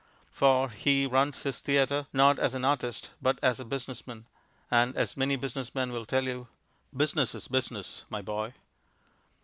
For he runs his theatre, not as an artist, but as a business man; and, as any business man will tell you, "Business is business, my boy."